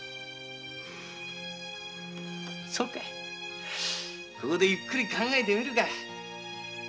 そうかここでゆっくり考えてみるか。